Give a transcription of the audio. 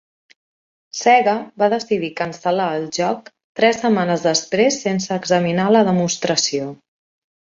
Sega va decidir cancel·lar el joc tres setmanes després sense examinar la demostració.